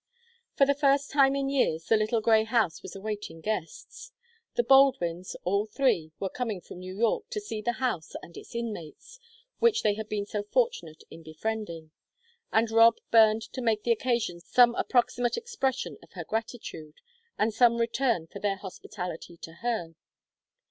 For the first time in years the little grey house was awaiting guests. The Baldwins, all three, were coming from New York to see the house and its inmates which they had been so fortunate in befriending, and Rob burned to make the occasion some approximate expression of her gratitude, and some return for their hospitality to her.